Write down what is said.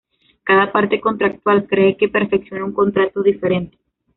Cada parte contractual cree que perfecciona un contrato diferente.